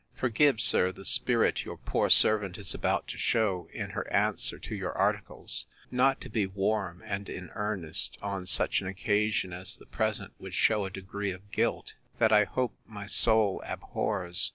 Forgive, sir, the spirit your poor servant is about to show in her answer to your ARTICLES. Not to be warm, and in earnest, on such an occasion as the present, would shew a degree of guilt, that, I hope, my soul abhors.